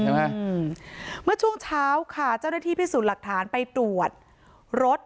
อืมเมื่อช่วงเช้าค่ะเจ้าหน้าที่พิสูจน์หลักฐานไปตรวจรถ